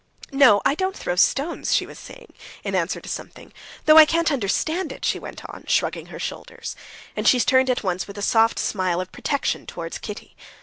"No, I don't throw stones," she was saying, in answer to something, "though I can't understand it," she went on, shrugging her shoulders, and she turned at once with a soft smile of protection towards Kitty.